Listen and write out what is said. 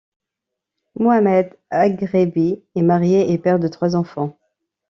Mohamed Agrebi est marié et père de trois enfants.